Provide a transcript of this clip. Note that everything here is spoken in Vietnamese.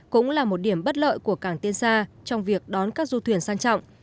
cũng là một điểm bất lợi của cảng tiên sa trong việc đón các du thuyền sang trọng